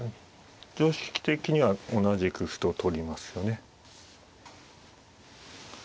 常識的には同じく歩と取りますよね。